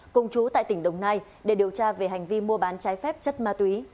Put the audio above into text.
cùng chú tại tỉnh đồng nai để điều tra về hành vi mua bán trái phép chất ma túy